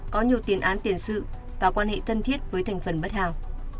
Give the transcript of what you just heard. có nhiều tiền án tiền sự và quan hệ thân thiết với thành phần bất hào